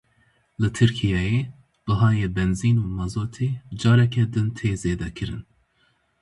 Li Tirkiyeyê bihayê benzîn û mazotê careke din tê zêdekirin.